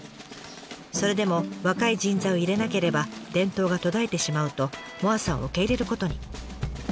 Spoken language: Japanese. それでも若い人材を入れなければ伝統が途絶えてしまうと萌彩さんを受け入れることに。